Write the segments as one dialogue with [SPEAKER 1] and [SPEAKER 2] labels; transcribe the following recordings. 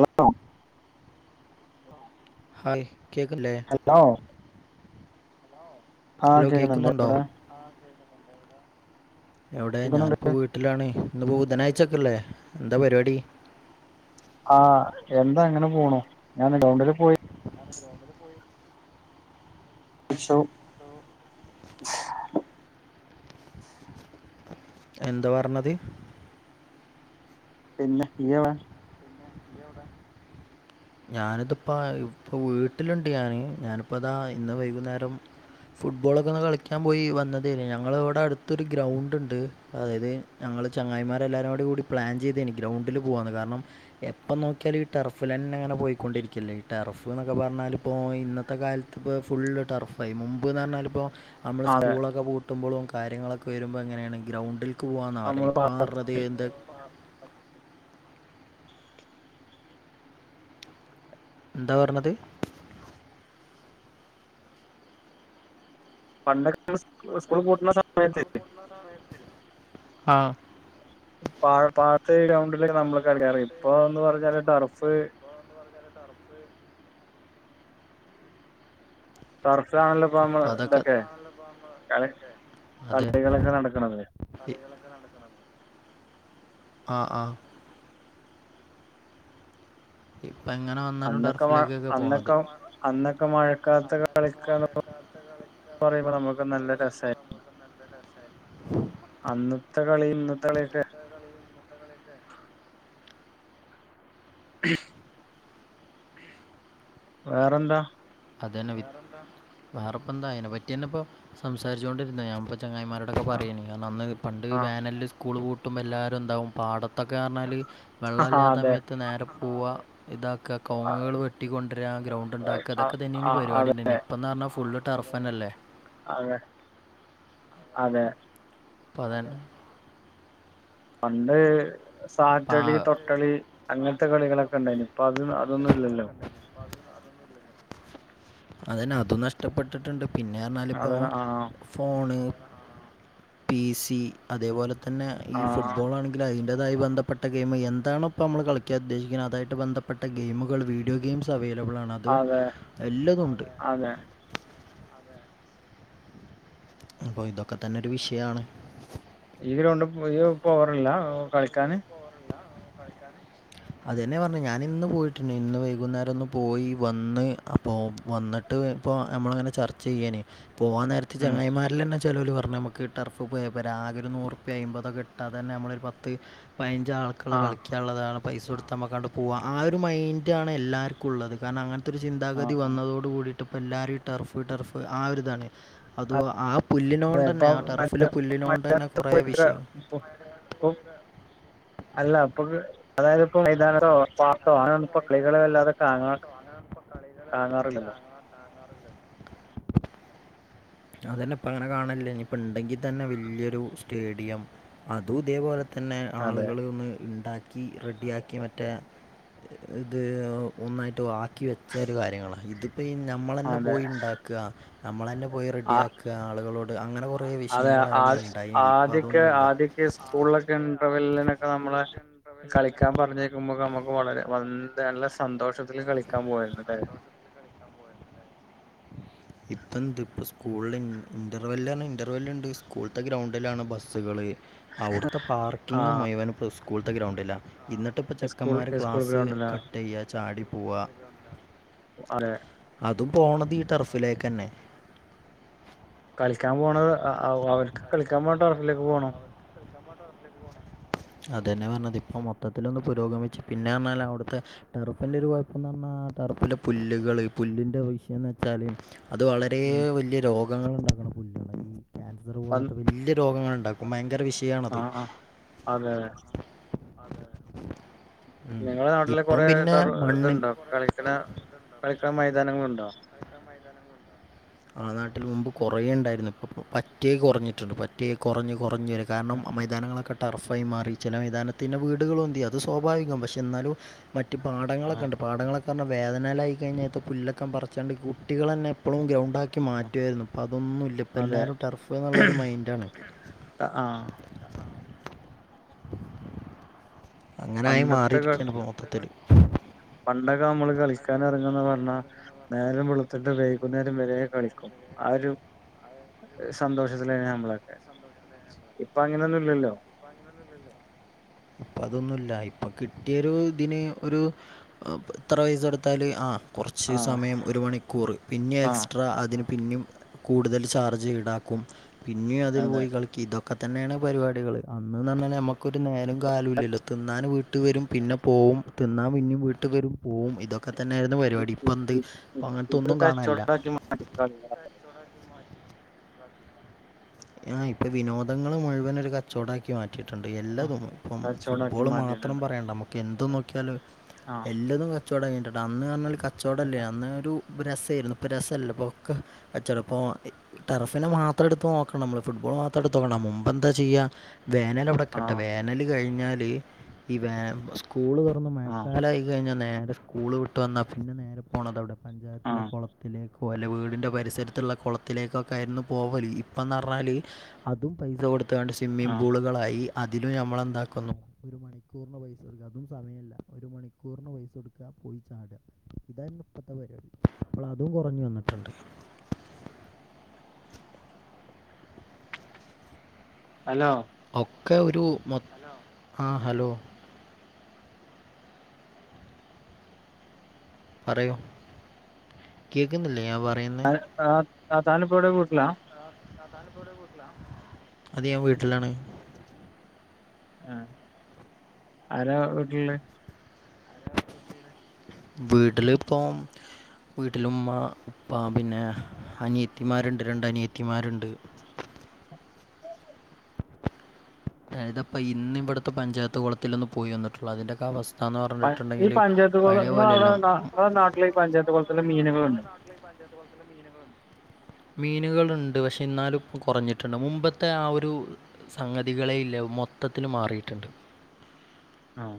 [SPEAKER 1] ഓ ഓ
[SPEAKER 2] ഹായ് കേൾക്കല്ലേ
[SPEAKER 1] കേക്കാവോ ആ
[SPEAKER 2] ഹലോ
[SPEAKER 1] കേൾക്കുന്നുണ്ട്
[SPEAKER 2] കേൾക്കുന്നുണ്ടോ
[SPEAKER 1] അവിടെ
[SPEAKER 2] എവിടെ
[SPEAKER 1] കേക്കുന്നുണ്ട്
[SPEAKER 2] ഞാനിപ്പോൾ വീട്ടിലാണ് ഇന്ന് ബുധനാഴ്ച ഒക്കെയല്ലേ എന്താ പരിപാടി
[SPEAKER 1] ആഹ് എന്താ അങ്ങനെ പോണു ഞാൻ ഗൗണ്ടിൽ പോയി
[SPEAKER 2] ഞാൻ ഗൗണ്ടില് പോയി
[SPEAKER 1] [unintelligible]
[SPEAKER 2] എന്താ പറഞ്ഞത്
[SPEAKER 1] പിന്നെ നീയെവിടെ
[SPEAKER 2] ഞാനിതിപ്പ ഇപ്പ വീട്ടിലുണ്ട് ഞാൻ ഞാനിപ്പതാ ഇന്ന് വൈകുന്നേരം ഫുട്ബോളൊക്കെ ഒക്കെ കളിക്കാൻ പോയി വന്നതേല്ലേ ഞങ്ങളവിടെ അടുത്തൊരു ഗ്രൗണ്ട് ഉണ്ട്. അതായത് ഞങ്ങൾ ചങ്ങായിമാരെല്ലാവരോടും കൂടി പ്ലാൻ ചെയ്ത് ഇനി ഗ്രൗണ്ടിൽ പോകാണ് കാരണം എപ്പ നോക്കിയാൽ ഈ ടർഫിൽ തന്നെങ്ങനെ പോയിക്കൊണ്ടിരിക്കല്ലേ ഈ ടെർഫ് എന്നൊക്കെ പറഞ്ഞാൽ ഇപ്പോൾ ഇന്നത്തെ കാലത്ത് ഇപ്പോൾ ഫുൾ ടർഫായി മുമ്പ് മുമ്പെന്ന് പറഞ്ഞാൽ ഇപ്പോൾ നമ്മൾ
[SPEAKER 1] അതെ
[SPEAKER 2] സ്കൂളൊക്കെ പൂട്ടുമ്പോഴും കാര്യങ്ങളൊക്കെ വരുമ്പോൾ എങ്ങനെയാണ് ഗ്രൗണ്ടിൽ പോവാന്ന് പറയ്
[SPEAKER 1] നമ്മള്
[SPEAKER 2] ഇപ്പം
[SPEAKER 1] പാടത്ത്
[SPEAKER 2] [inaudible] എന്ത് എന്താ പറഞ്ഞത്
[SPEAKER 1] പണ്ട് ഒക്കെ സ്കൂൾ പൂട്ടുന്ന സമയത്ത്
[SPEAKER 2] സ്കൂൾ പൂട്ടണ സമയത്ത് ആഹ്
[SPEAKER 1] പാടത്ത് ഗ്രൗണ്ടിലേക്കെ നമ്മൾ കളക്കാറ് ഇപ്പൊ എന്ന് പറഞ്ഞാല് ടർഫ് ടർഫിലാണല്ലോ ഇപ്പ നമ്മൾ
[SPEAKER 2] ഇപ്പം അതൊക്കെ
[SPEAKER 1] ഇതൊക്കെ കളികളൊക്കെ നടക്കുന്നത്
[SPEAKER 2] കളികളൊക്കെ നടക്കുന്നത് ആഹ് ആഹ് ഇപ്പൊ എങ്ങനെ വ
[SPEAKER 1] അന്നൊക്കെ മഴ അന്നൊക്കെ അന്നൊക്കെ മഴക്കാലത്ത് കളിക്കാ പറയുമ്പോൾ നമുക്ക് നല്ല രസമായിരുന്നു അന്നത്തെ കളി ഇന്നത്തെ കളിയൊക്കെ [inaudible] വേറെന്താ
[SPEAKER 2] അതന്നെ വി വേറെപ്പന്താഅതിനെ പറ്റിന്നെ ഇപ്പം സംസാരിച്ചുണ്ടിരുന്ന ഞാന്പ്പം ചങ്ങായിമാരോ. ഇടൊക്കെ
[SPEAKER 1] ആഹ്
[SPEAKER 2] പറയേനി കാരണം അന്ന് പണ്ട് വേനലിൽ സ്കൂൾ പൂട്ടുമ്പോൾ എല്ലാവരും എന്താവും പാടത്തൊക്കെ പറഞ്ഞാല്.
[SPEAKER 1] ആഹ്
[SPEAKER 2] വെള്ളല്ലാത്ത
[SPEAKER 1] അതെ
[SPEAKER 2] സമയത്ത് നേരെ പോവ. ഇതാക്ക കവുങ്ങുകൾ വെട്ടി കൊണ്ടരാ ഗ്രൗണ്ട് ഉണ്ടാക്കുക.
[SPEAKER 1] ആ
[SPEAKER 2] അതൊക്കെ ഇനി ഇനി
[SPEAKER 1] ആ
[SPEAKER 2] പരിപാടി
[SPEAKER 1] അതെ
[SPEAKER 2] ഉണ്ടേനി ഇപ്പ എന്ന് പറഞ്ഞാ ഫുള്ള് ടർഫനല്ലേ.
[SPEAKER 1] അതെ അതെ
[SPEAKER 2] ഇപ്പ അതന്നെ
[SPEAKER 1] പണ്ട്
[SPEAKER 2] പാ
[SPEAKER 1] സാറ്റളി തൊട്ടളി. അങ്ങനത്തെ കളികളൊക്കെ ഉണ്ടായിനി ഇപ്പ അതും അതൊന്നു ഇല്ലല്ലോ.
[SPEAKER 2] അതന്നെ അതും നഷ്ടപ്പെട്ടിട്ടുണ്ട് പിന്നെ
[SPEAKER 1] അത
[SPEAKER 2] പറഞ്ഞാലിപ്പോ.
[SPEAKER 1] ആ
[SPEAKER 2] ഫോണ് പി സി അതേപോലെ തന്നെ ഈ
[SPEAKER 1] ആ
[SPEAKER 2] ഫുട്ബോൾ ആണെ അതിന്റതായി ബന്ധപ്പെട്ട ഗെയിം എന്തണ ഇപ്പൊ നമ്മൾ കളിക്കാൻ ഉദ്ദേശിക്കുന്നത് അതായിട്ട് ബന്ധപ്പെട്ട ഗെയ്മുകൾ വീഡിയോ ഗെയിംസ്. അവൈലബിൾ ആണ്.
[SPEAKER 1] അതെ അതെ
[SPEAKER 2] അപ്പൊ ഇതൊക്കെ തന്നെ ഒരു വിഷയാണ്.
[SPEAKER 1] ഈ ഗ്രൗണ്ട് [unintelligible] പോവറില്ല കളിക്കാന്.
[SPEAKER 2] അതെന്നെ പറഞ്ഞ ഞാൻ ഇന്ന് പോയിട്ടുണ്ട് ഇന്ന് വൈകുന്നേരം ഒന്ന് പോയി വന്ന് അപ്പോ വന്നിട്ട്. ട്ട് ഇപ്പേ നമ്മളങ്ങനെ ചർച്ച ചെയ്യേനി പോവാൻ നേരത്തെ
[SPEAKER 1] ഉം
[SPEAKER 2] ചങ്ങായിമാരില തന്നെ ചെലോൽ പറഞ്ഞു നമുക്ക് ടർഫ് പോയപ്പം ആകെ നൂറുപ്പി അയ്മ്പതൊക്കെ ഇട്ടാതന്നെ നമ്മളൊരു പത്ത് പതിനഞ്ച് ആൾക്ക ള്ള
[SPEAKER 1] ആ
[SPEAKER 2] കളിക്കും. ഉള്ളതാണ് പൈസ കൊടുത്ത് നമ്മകാണ്ട് പോക ആ ഒരു മൈൻഡ് ആണ് എല്ലാവർക്കും ഉള്ളത് കാരണം അങ്ങനത്തെ. ത്തൊരു
[SPEAKER 1] ആ
[SPEAKER 2] ചിന്താഗതി
[SPEAKER 1] ആ.
[SPEAKER 2] വന്നതോടു കൂടിട്ട് ഇപ്പ എല്ലാവരും ടർഫ് ടർഫ് ആ ഒരുതാണ്. അത് ആ
[SPEAKER 1] അതെ
[SPEAKER 2] പുല്ലിനോണ്ട്
[SPEAKER 1] ഇപ്പൊ
[SPEAKER 2] തന്നെ ആ ടെർഫിലെ
[SPEAKER 1] മറ്റേ
[SPEAKER 2] പുല്ലിനോണ്ട് തന്നെ കൊറ വിഷയം.
[SPEAKER 1] അപ്പൊ അല്ല അപ്പൊക്ക് അതായത് ഇപ്പോ
[SPEAKER 2] അല്ല
[SPEAKER 1] മൈതാനത്തോ
[SPEAKER 2] അപ്പത്
[SPEAKER 1] പാർത്തോ
[SPEAKER 2] അതായത്
[SPEAKER 1] അങ്ങനൊന്നും ഇപ്പൊ കളികള്
[SPEAKER 2] മൈതാനത്തോ
[SPEAKER 1] വല്ലാതെ കാണാ
[SPEAKER 2] പാടത്തോ അങ്ങനപ്പ കളീല.
[SPEAKER 1] കാണാറില്ലല്ലോ.
[SPEAKER 2] അതന്നെ ഇപ്പ അങ്ങനെ കാണില്ല ഇനിയിപ്പ ഉണ്ടെങ്കിൽ തന്നെ വലിയൊരു സ്റ്റേഡിയം അതും ഇതേപോലെ. തന്നെ
[SPEAKER 1] അതെ
[SPEAKER 2] ആളുകള് ഒന്ന് ഉണ്ടാക്കി. യാക്കി റെഡിയാക്കി മറ്റേ ഇത് ഒന്നായിട്ട് വാ ബാക്കി വെച്ച ഒരു കാര്യങ്ങളാ ഇതിപ്പോ ഈ നമ്മൾ തന്നെ
[SPEAKER 1] അതെ
[SPEAKER 2] പോയി ഉണ്ടാക്ക നമ്മൾ തന്നെ പോയി റെഡി
[SPEAKER 1] ആ
[SPEAKER 2] ആക്ക. ക്ക ആളുകളോട്. അങ്ങനെ കൊറ
[SPEAKER 1] അതെ ആ
[SPEAKER 2] വിഷയങ്ങളായിരുന്നു ഇണ്ടായിനി ഇപ്പ
[SPEAKER 1] ആദ്യൊക്കെ
[SPEAKER 2] അതൊന്നുല്ല.
[SPEAKER 1] ഇപ്പ നമ്മള. കളിക്കാൻ പറഞ്ഞേക്കുമ്പോക്ക നമുക്ക് വളരെ വ നല്ല സന്തോഷത്തില് കളിക്കാൻ പോയിണ്ട് അല്ലേ.
[SPEAKER 2] ഇതെന്ത് ഇപ്പ സ്കൂളില് ഇന്റർവെല്ലാണ് ഇന്റർവെല്ല് ഉണ്ട് സ്കൂളത്തെ ഗ്രൗണ്ടിലാണ് ബസ്സുകള്. അവിടുത്തെ പാർക്കിങ്ങും
[SPEAKER 1] ആഹ്
[SPEAKER 2] മുഴുവനും ഇപ്പോ സ്കൂളത്തെ ഗ്രൗണ്ട്ല എന്നിട്ട്. അപ്പം
[SPEAKER 1] സ്കൂൾ
[SPEAKER 2] ചെക്കന്മാർ
[SPEAKER 1] സ്കൂൾ
[SPEAKER 2] ഗ്ലാസ്സ്
[SPEAKER 1] ഗ്രൗണ്ടിലാ
[SPEAKER 2] കട്ട് ചെയ്യുക ചാടി പോവ
[SPEAKER 1] അതെ
[SPEAKER 2] അതും പോണത് ഈ ടർഫിലേക്കന്നെ.
[SPEAKER 1] കളിക്കാൻ പോണത് അവർക്ക് കളിക്കാൻ പോണ ടർഫിലേക്ക് പോണം.
[SPEAKER 2] [unintelligible] അതന്നെ പറഞ്ഞത് ഇപ്പ മൊത്തത്തിലൊന്ന് പുരോഗമിച്ച് പിന്നെ അമ്മേലവിടുത്തെ. ടർഫിന്റെ ഒരു കുഴപ്പം എന്ന് പറഞ്ഞാ ടർഫില് പുല്ലുകള് പുല്ലിന്റെ വിഷയം എന്ന് വെച്ചാല്. അത് വളരെ
[SPEAKER 1] ഉം
[SPEAKER 2] വലിയ രോഗങ്ങൾ ഉണ്ടാക്കണ പുല്ലുകള ഈ ക്യാൻസർ
[SPEAKER 1] പന്ത്
[SPEAKER 2] പോലത്തെ വലിയ രോഗങ്ങൾ ഉണ്ടാ ഭയങ്കര വിഷയാണത്.
[SPEAKER 1] ആഹ് ആഹ് അതെ.
[SPEAKER 2] ഉം.
[SPEAKER 1] നിങ്ങളെ നാട്ടില്
[SPEAKER 2] ഇപ്പം
[SPEAKER 1] കൊറെ
[SPEAKER 2] പിന്നെ
[SPEAKER 1] ടർ
[SPEAKER 2] മണ്ണിൻ
[SPEAKER 1] ഇതുണ്ടോ കളിക്കണ കളിക്കണ മൈതാനങ്ങളൊണ്ടോ.
[SPEAKER 2] ആ നാട്ടിൽ മുമ്പ് കൊറേ ഉണ്ടായിരുന്നു ഇപ്പൊ പറ്റേ കുറഞ്ഞിട്ടുണ്ട്. പ റ്റെ കുറഞ്ഞു കുറഞ്ഞു വരും കാരണം
[SPEAKER 1] ഉം
[SPEAKER 2] മൈതാനങ്ങളൊക്കെ. ടർഫായി മാറി ചില മൈതാനത്തിന്നെ വീടുകള് പൊന്തി അത് സ്വാഭാവികം പക്ഷെ എന്നാലും മറ്റ് പാടങ്ങളൊക്കെ
[SPEAKER 1] ആഹ്
[SPEAKER 2] ണ്ട് പാടങ്ങളൊക്ക് കാരണം വേദനലായി കഴിഞ്ഞാ കത്ത് പുല്ലൊക്കെ പറിച്ചാണ്ട് കുട്ടികള് തന്നെ എപ്പളും ഗ്രൗണ്ട് ഉണ്ടാക്കി
[SPEAKER 1] ആഹ്
[SPEAKER 2] മാറ്റുവായിരുന്നു ഇപ്പ അതൊന്നും ഇല്ല ഇപ്പ
[SPEAKER 1] അതെ
[SPEAKER 2] എല്ലാവരും ടർഫ് എന്നുള്ള ഒരു മൈൻഡാണ്
[SPEAKER 1] ത ആഹ്
[SPEAKER 2] അങ്ങനായി
[SPEAKER 1] പണ്ടത്തെ കളി
[SPEAKER 2] മാറിയിരിക്കുകയാണ് ഇപ്പൊ മൊത്തത്തില്
[SPEAKER 1] പണ്ടൊക്കെ നമ്മള് കളിക്കാൻ എറങ്ങന്ന് പറഞ്ഞാ നേരം വെള്ത്തിട്ട് വൈകുന്നേരം വരേ കളിക്കും ആ ഒരു സന്തോഷത്തിലാ നമ്മളൊക്കെ ഇപ്പൊ അങ്ങനെയൊന്നുംല്ലല്ലോ
[SPEAKER 2] ഇപ്പൊ അതൊന്നുംല്ല ഇപ്പൊ കിട്ടിയ ഒരു ഇതിന് ഒരു ഇത്ര പൈസ കൊടുത്താല് ആ കൊറച്ച്
[SPEAKER 1] ആഹ്
[SPEAKER 2] സമയം ഒരു മണിക്കൂറ് പിന്നെ
[SPEAKER 1] ആഹ്
[SPEAKER 2] എക്സ്ട്രാ അതിന് പിന്നും കൂടുതൽ ചാർജ് ഈടാക്കും പിന്നെയും അതിൽ
[SPEAKER 1] അതെ
[SPEAKER 2] പോയി കളിക്കി ഇതൊക് ക്കെത്തന്നെയാണ് പരിപാടികള് അന്ന് ന്ന് പറഞ്ഞാൽ നമുക്കൊരു നേരം കാലൊല്ലല്ലോ തിന്നാൻ വീട്ട് വരും പിന്നെ പോവും തിന്നാൻ പിന്നേം വീട്ടിൽ വരും പോവും ഇതൊക്കെ തന്നെയായിരുന്നു
[SPEAKER 1] ഇ
[SPEAKER 2] പരിപാടി
[SPEAKER 1] ഇ
[SPEAKER 2] ഇപ്പ എന്ത് ഇപ്പ അങ്ങനത്തൊന്നും കാണാന്ല്ല
[SPEAKER 1] [unintelligible] കളിക്കള
[SPEAKER 2] ആഹ് ഇപ്പൊ വിനോദങ്ങള് മുഴുവൻ ഒരു കച്ചോടാക്കി മാറ്റി റ്റിയിട്ടുണ്ട്
[SPEAKER 1] ആഹ്
[SPEAKER 2] എല്ലാതും ഇപ്പം
[SPEAKER 1] കച്ചവടാക്കി
[SPEAKER 2] ഫുട്ബോള് മാത്രം
[SPEAKER 1] മാറ്റിയിട്ടുണ്ട്
[SPEAKER 2] പറയണ്ട നമുക്ക് എന്ത് നോക്കിയാലും
[SPEAKER 1] ആഹ്
[SPEAKER 2] എല്ലാതും കച്ചോടംആയിട്ടിണ്ട് അന്ന് പറഞ്ഞാൽ കച്ചോടഇല്ല അന്ന് ഒരു രസേയിരുന്നു ഇപ്പൊ രസല്ല ഇപ്പൊക്കെ കച്ചോട പ്പ ടർഫിനെ മാത്രം എടുത്ത് നോ ക്കണം നമ്മള് ഫുട്ബോൾ മാത്രം എടുത്ത് നോക്കണ്ട മുമ്പ് എന്താ ചെയ്യ വേനലവിടെ നിക്കട്ടെ
[SPEAKER 1] ആഹ്
[SPEAKER 2] വേന നല് കഴിഞ്ഞാല് ഈ വേ സ്കൂള് തൊറന്ന്
[SPEAKER 1] ആഹ്
[SPEAKER 2] മഴക്കാലായി കഴിഞ്ഞാ നേരെ സ്കൂള് വിട്ടു വന്നാൽ പിന്നെ നേരെ പോകണത് എവിടെ പഞ്ചായത്തിലെ
[SPEAKER 1] ആഹ്
[SPEAKER 2] കൊള ത്തിലേക്കൊ അല്ല വീടിൻ്റെ പരിസരത്തുള്ള കൊളത്തിലേക്കൊക്കെ ആരുന്നു പോവല് ഇപ് ഇപ്പന്ന് പറഞ്ഞാല് അതും പൈസ കൊടുത്താണ്ട് സ്വിമ്മിംഗ്
[SPEAKER 1] ആഹ്
[SPEAKER 2] പൂളുകളായി അതിലും നമ്മളെന്താക്കുന്നു ഒരു മണിക്കൂറിന് പൈസ കൊടുക്കാ അതും സമയല്ല് ഒരു മണിക്കൂറിന് പൈസ കൊടുക്കാ ക്കാപോയി ചാട ഇതായിരുന്നു ഇപ്പത്തെ പരിപാടി ഇപ്പള് അതും കൊറഞ്ഞ് വന്നിട്ട്ണ്ട്
[SPEAKER 1] ഹലോ
[SPEAKER 2] ഒക്കെ ഒരു മൊത്ത് ആ ഹലോ പറയൂ കേക്കുന്നില്ലേ ഞാൻ പറയുന്നേ
[SPEAKER 1] ആ ആ താനിപ്പ എവിടെ വീട്ടിലാ
[SPEAKER 2] അതെ ഞാൻ വീട്ടിലാണ്
[SPEAKER 1] ആരാ വീട്ടില്ള്ളെ
[SPEAKER 2] വീട്ടിലിപ്പം വീട്ടില് മ്മ പ്പ പിന്നെ അനിയത്തിമാര്ണ്ട് രണ്ട് അനിയത്തിമാര്ണ്ട് ഏതപ്പ ഇന്ന് ഇവിട്ത്തെ പഞ്ചായത്ത് കുളത്തിലൊന്ന് പോയി വന്നിട്ടുള്ളൂ അതിന്റൊക്കവസ്
[SPEAKER 1] പഞ് ഈ പഞ്ചായത്ത് കൊള ഇങ്ങളെ അവ്ടെ ന്താ നിങ്ങളെ നാട്ടില് ഈ പഞ്ചായത്ത് കൊളത്തില് മീനുകളുണ്ടാ
[SPEAKER 2] പഞ്ചായത്ത് കൊളത്തില് മീനുകള്ണ്ടാ മീനുകളുണ്ട് പക്ഷെ ഇന്നാലും കൊറഞ്ഞിട്ടുണ്ട് മുമ്പത്തെ ആ ഒരു സംഗതികളേ ഇല്ല മൊത്തത്തില് മാറിയിട്ട്ണ്ട്
[SPEAKER 1] ആഹ്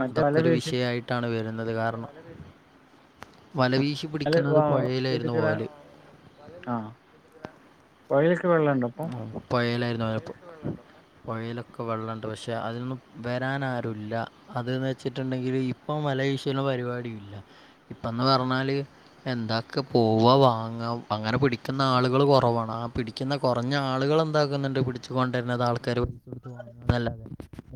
[SPEAKER 1] മറ്റേ
[SPEAKER 2] അതൊക്കെ
[SPEAKER 1] വല
[SPEAKER 2] ഒരു
[SPEAKER 1] വീശി
[SPEAKER 2] വിഷയായിട്ടാണ് വരുന്നത് കാരണം വലവീശി
[SPEAKER 1] വല
[SPEAKER 2] പിടിക്കുന്നത് പൊഴയിലായിരുന്നു
[SPEAKER 1] വീട്ടിക്കൂടെ
[SPEAKER 2] പോവല്
[SPEAKER 1] ആഹ് പൊഴയിലൊക്കെ വെള്ളണ്ടാ ഇപ്പം
[SPEAKER 2] പൊഴയിലായിരുന്നു അപ്പോ പൊഴയിലൊക്കെ വെള്ളണ്ട് പക്ഷെ അതിലൊന്നും വരാന് ആരൂല്ല അത് ന്ന് വെച്ചിട്ടുണ്ടെങ്കില് ഇപ്പൊ വല വീശ്ണ പരിപാടി ഇല്ല ഇപ്പന്ന് പറഞ്ഞാല് എന്താക്കാ പോവ വാങ്ങ അങ്ങനെ പിടിക്ക്ന്ന ആള്കള് കൊറവാണ് ആ പിടിക്ക്ന്ന കൊർഞ്ഞ ആള്കള് എന്താക്ക്ന്ന്ണ്ട് പിട്ച്ച് കൊണ്ടര്ന്നത് ആൾക്കാര് പൈസോട്ത് വാ ല്ലാതെ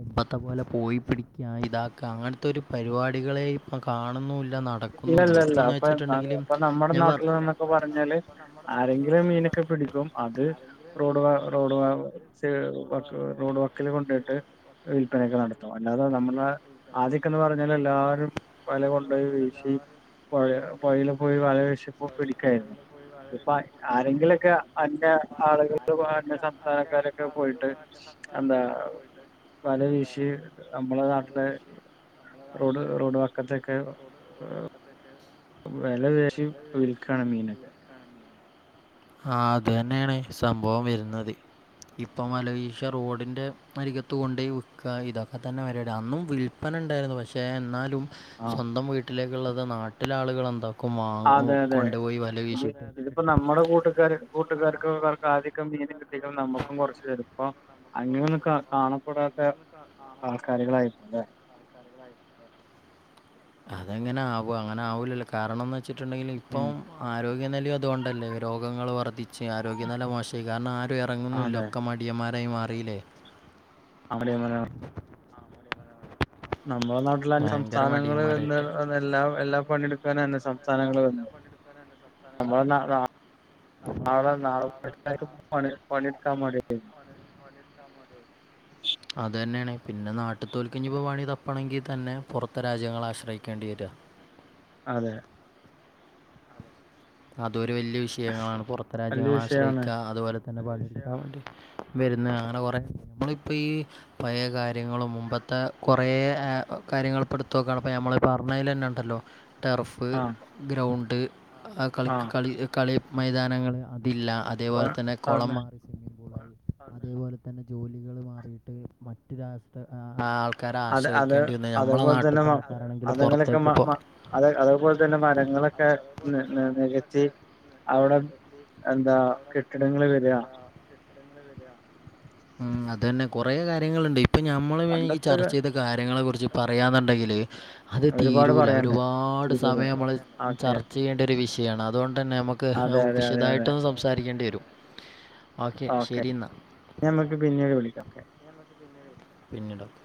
[SPEAKER 2] ഇപ്പത്തെ പോലെ പോയി പിട്ക്ക്യാ ഇതാക്കാ അങ്ങൻത്തൊരു പരിപാടികളെ പ്പ കാണുന്നൂല്
[SPEAKER 1] ഇല്ലല്ല ഇല്ല ഇപ്പ ഇപ്പന്നാ നമ്മടെ
[SPEAKER 2] ഞാൻ പറ
[SPEAKER 1] നാട്ടില് പൊ പർഞ്ഞാല് ആരെങ്കിലും മീനൊക്കെ പിടിക്കും അത് റോഡ് വ റോഡ് വാ ച്ച് റോഡ് വക്ക്ല് കൊണ്ടേയ്ട്ട് വിൽപനൊക്കെ നടത്തും അല്ലാതെ നമ്മടെ ആദ്യൊക്കെ എന്ന് പർഞ്ഞാല് എല്ലാരും വല
[SPEAKER 2] അദ്യൊക്കേന്ന്
[SPEAKER 1] കൊണ്ടോയി
[SPEAKER 2] പർഞ്ഞാല്
[SPEAKER 1] വീശി
[SPEAKER 2] എല്ലാരും
[SPEAKER 1] പൊഴ പൊഴേല് പോയി വല വിശിപ്പൊ പിടിക്കേര്ന്നു ഇപ്പം ആരെങ്കിലൊക്കെ അന്ന്യ ആള്കൾക്ക് പോ അന്യ സംസ്ഥാനക്കാരൊക്കെ പോയിട്ട് എന്താ വല വീഷി നമ്മളെ നാട്ടിലെ റോഡ് റോഡ് വക്കത്തൊക്കെ വെല പേശി വിൽക്കാണ് മീനൊക്കെ
[SPEAKER 2] ആഹ് അതന്നേണ് സംഭവം വെര്ന്നത് ഇപ്പൊ വലവീഷ റോഡിന്റെ അരികത്ത് കൊണ്ടോയി വിക്കാ ഇതൊക്കെ തന്നെ പരിപാടി അന്നും വിൽ പ്പനണ്ടാര്ന്നു പക്ഷേ എന്നാലും
[SPEAKER 1] ആഹ്
[SPEAKER 2] സ്വന്തം വീട്ടിലേക്ക്ള്ളത് നാട്ടിലെ ആള്കളെന്താ
[SPEAKER 1] അതെ അതെ ഇത് ഇത്പ്പോ നമ്മടെ കൂട്ടുകാര് കൂട്ടുകാർക്ക് ആദ്യക്കെ മീന് ട്ടീക്ക്ണേ നമ്മക്കും കൊർച്ച് തെരും ഇപ്പൊ അങ്ങനൊന്നും കാ കാണപ്പെടാത്തെ ആൾക്കാര്കളായിപ്പൊ ലെ
[SPEAKER 2] അതെങ്ങനെ ആവോ അങ്ങനെ ആവൂലല്ലോ കാരണംന്ന് വെച്ച്ട്ട്ണ്ടെങ്കില്
[SPEAKER 1] ഉം
[SPEAKER 2] ഇപ്പം ആരോഗ്യ നെലീം അതോണ്ടല്ലേ രോഗങ്ങള് വർദ്ധി ച്ച് ആരോഗ്യനെല മോശായി കാര്ണം ആരും എറങ്ങുന്നൂല്ല
[SPEAKER 1] അതെ
[SPEAKER 2] ഒക്കെ മടിയന്മാരായി മാറീല്ലേ
[SPEAKER 1] അവിടെങ്ങനെ നമ്മളെ നാട്ടില് അന്യ
[SPEAKER 2] ഭയങ്കര
[SPEAKER 1] സംസ്ഥാനങ്ങളീ വന്ന്
[SPEAKER 2] മടിയന്മാരായിട്ട്.
[SPEAKER 1] എല്ലാം എല്ലാ പണിട് ക്കാനേന്നെ സംസ്ഥാനങ്ങള് വന്ന് നമ്മളെ [unintelligible] എല്ലാര്ക്കും പണി പണി ഇട്ക്കാ മടിയായി
[SPEAKER 2] അതന്നേണ് പിന്നെ നാട്ട്ത്തോൽക്ക് ഇഞ്ഞ്പ്പം പണി തപ്പണെങ്കി തെന്നെ പൊർത്ത രാജ്യങ്ങളെ ആശ്രയിക്കേണ്ടി വെര
[SPEAKER 1] അതെ
[SPEAKER 2] അതൊരു വല്യ വിഷയങ്ങളാണ് പൊർത്തെ
[SPEAKER 1] വലിയ
[SPEAKER 2] രാജ്യങ്ങളെ
[SPEAKER 1] വിഷയമാണ്
[SPEAKER 2] ആശ്രയ്ക്കാ അതുപോലെ, [unintelligible] വെര്ന്നാ അങ്ങനെ കൊറേ നമ്മളിപ്പ ഈ പഴേ കാര്യങ്ങളും മുമ്പത്തെ കൊറേ കാര്യങ്ങള് ഇപ്പട്ത്തോക്കാണ്പ്പോ ഞമ്മള് പർഞ്ഞേലെന്നെ ഇണ്ടല്ലോ ടെറഫ്
[SPEAKER 1] ആഹ്
[SPEAKER 2] ഗ്രൗണ്ട് ആഹ് കളി കളി കളി മൈതാനങ്ങള് അതില്ല അതേപോലെ തന്നെ കൊളം
[SPEAKER 1] അതെ
[SPEAKER 2] സ്വിമ്മിംഗ് പൂള് അതേപോലെ തന്നെ ജോലികള് മാറീട്ട് മറ്റ് രാഷ്ട്ര ആൾ ക്കാരെ
[SPEAKER 1] അതെ അതെ
[SPEAKER 2] ആശ്രയിക്കേണ്ടി വെര്ന്നെ നമ്മളെ
[SPEAKER 1] അതേപോലെ
[SPEAKER 2] നാട്ട്ത്തെ ആൾക്കാരാണെങ്കില് പൊർത്തേക്ക് പ്പോ
[SPEAKER 1] അത് അത്പോലെ തന്നെ മരങ്ങളൊക്കെ നെ നെകത്തി അവ്ടെ എന്താ കെട്ടിടങ്ങള് വെരാ
[SPEAKER 2] ഉം അതെന്നെ കൊറേ കാര്യങ്ങള്ണ്ട് ഇപ്പൊ ഞമ്മള്
[SPEAKER 1] പണ്ടത്തെ
[SPEAKER 2] ചർച്ചെയ്ത കാര്യങ്ങളെ കുറിച്ച് പറയാന്ന്ണ്ടെങ്കില് അത്
[SPEAKER 1] ഒരുപാട്
[SPEAKER 2] തീരൂല
[SPEAKER 1] പറയാണ്ട്
[SPEAKER 2] ഒരുപാട്
[SPEAKER 1] തീരൂല
[SPEAKER 2] സമയം നമ്മള്
[SPEAKER 1] ഓക്കെ
[SPEAKER 2] ചർച്ച ചെയ്യേണ്ട ഒരു വിഷയാണ് അതോണ്ടെന്നെ നമ ക്ക്
[SPEAKER 1] അതെ അതെ അതെ അതെ
[SPEAKER 2] വിശദായിട്ടൊന്ന് സംസാരിക്കേണ്ടി വെരും ഓക്കെ ശെരി ന്നാ
[SPEAKER 1] ഇഞ്ഞമ്മക്ക് പിന്നീട് വിളിക്കാം ഓക്കെ
[SPEAKER 2] പിന്നീടാക്ക